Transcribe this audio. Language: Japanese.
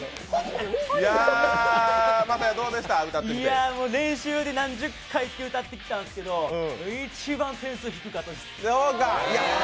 いや、練習で何十回と歌ってきたんですけど一番点数低かったです。